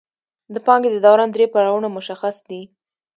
د پانګې د دوران درې پړاوونه مشخص دي